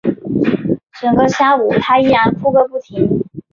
整个下午她依然哭个不停